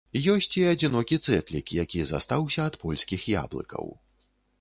Ёсць і адзінокі цэтлік, які застаўся ад польскіх яблыкаў.